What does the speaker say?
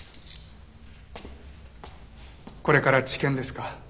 これから地検ですか？